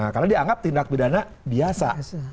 karena dianggap tindak pidana biasa